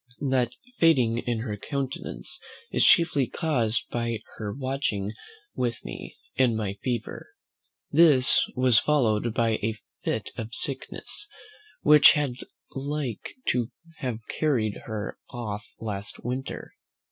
That fading in her countenance is chiefly caused by her watching with me, in my fever. This was followed by a fit of sickness, which had like to have carried her off last winter.